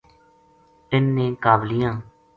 اِن نے قابلیاں